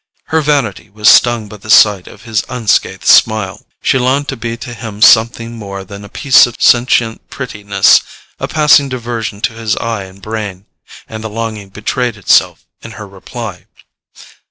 Her vanity was stung by the sight of his unscathed smile. She longed to be to him something more than a piece of sentient prettiness, a passing diversion to his eye and brain; and the longing betrayed itself in her reply.